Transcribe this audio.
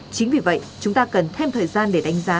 chính vì vậy chúng ta cần thêm thời gian để đánh giá